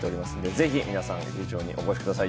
ぜひ皆さん劇場にお越しください。